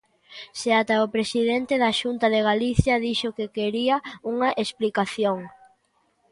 Se ata o presidente da Xunta de Galicia dixo que quería unha explicación.